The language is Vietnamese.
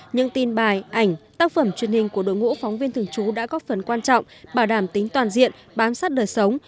những tin bài ảnh tác phẩm truyền hình của đội ngũ phóng viên thường trú đã góp phần quan trọng bảo đảm tính toàn diện bám sát đời sống